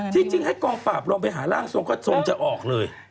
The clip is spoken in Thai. ที่จริงให้กองปราบลงไปหาร่างทรงก็ทรงจะออกเลย